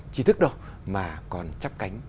trí thức đâu mà còn chấp cánh